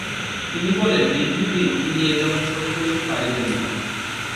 তিনি বলেন, নিধির ঋণ তিনি এ জন্মে শোধ করিতে পারিবেন না।